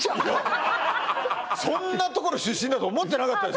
そんなところ出身だと思ってなかったです